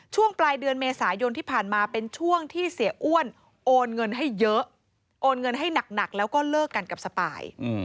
ช่วงปลายเดือนเมษายนที่ผ่านมาเป็นช่วงที่เสียอ้วนโอนเงินให้เยอะ